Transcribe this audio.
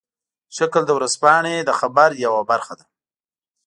شکل د ورځپاڼې د خبر یوه برخه ده.